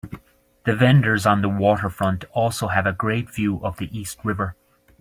The vendors on the waterfront also have a great view of the East River.